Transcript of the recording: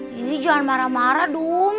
jadi jangan marah marah dum